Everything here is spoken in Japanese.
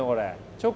チョコ？